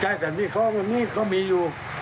ใช้สันมีดเคาะสันมีดก็มีอยู่